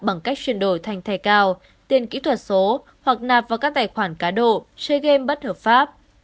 bằng cách chuyển đổi thành thẻ cao tiền kỹ thuật số hoặc nạp vào các tài khoản cá độ sea game bất hợp pháp